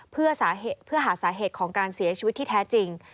เพื่อหาสาเหตุของการเสียชีวิตที่แท้จริง